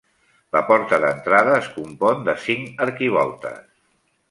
La porta d'entrada es compon de cinc arquivoltes.